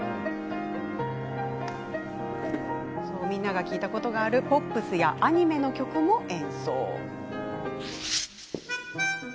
みんなが聴いたことがあるポップスやアニメの曲も演奏。